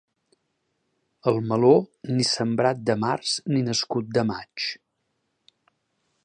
El meló, ni sembrat de març ni nascut de maig.